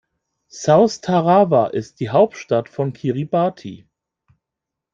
South Tarawa ist die Hauptstadt von Kiribati.